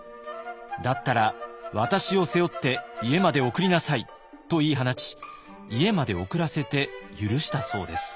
「だったら私を背負って家まで送りなさい」と言い放ち家まで送らせて許したそうです。